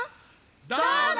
どうぞ！